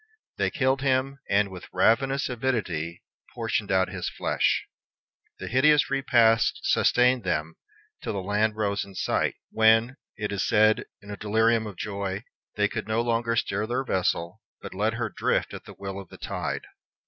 They killed him, and with ravenous avidity portioned out his flesh. The hideous repast sustained them till the land rose in sight, when, it is said, in a delirium of joy, they could no longer steer their vessel, but let her drift at the will of the tide.